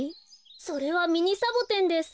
それはミニサボテンです。